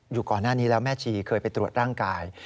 ก่อนหน้านี้แล้วแม่ชีเคยไปตรวจร่างกาย